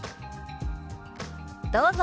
どうぞ。